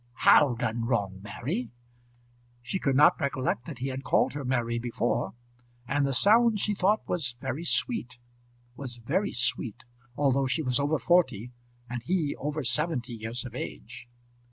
"How done wrong, Mary?" She could not recollect that he had called her Mary before, and the sound she thought was very sweet; was very sweet, although she was over forty, and he over seventy years of age.